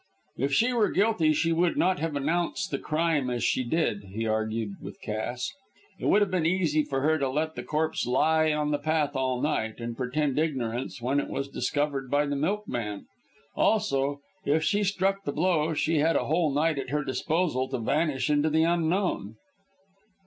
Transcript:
"If she were guilty she would not have announced the crime as she did," he argued with Cass. "It would have been easy for her to let the corpse lie on the path all night, and pretend ignorance when it was discovered by the milkman. Also, if she struck the blow she had a whole night at her disposal to vanish into the unknown."